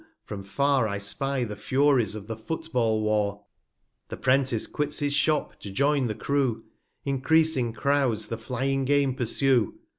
from far, 225 I spy the Furies of the Foot ball War: The 'Prentice quits his Shop, to join the Crew, Encreasing Crouds the flying Game pursue.